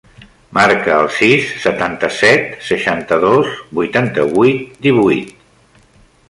Marca el sis, setanta-set, seixanta-dos, vuitanta-vuit, divuit.